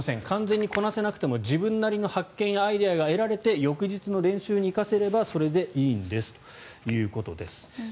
完全にこなせなくても自分なりの発見やアイデアが得られて翌日の練習に生かせればそれでいいんですということです。